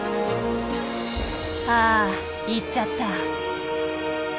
あ行っちゃった。